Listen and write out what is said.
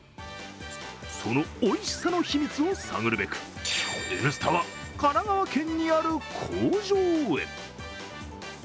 そのおいしさの秘密を探るべく「Ｎスタ」は神奈川県にある工場へ。